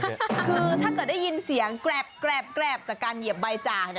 คือถ้าเกิดได้ยินเสียงแกรบจากการเหยียบใบจ่า